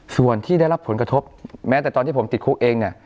ส่วนที่ได้รับผลกระทบแม้แต่ตอนที่ผมติดคุกเองเนี่ย